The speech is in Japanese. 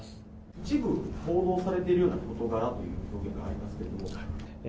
一部報道されているような事柄というのがありますけれども。